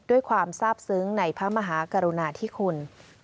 ด้วยความทราบซึ้งในพระมหากรุณาธิคุณ